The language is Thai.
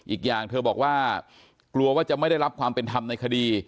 อีกอย่างเธอบอกว่ากลัวว่าจะไม่ได้รับความเป็นธรรมในคดี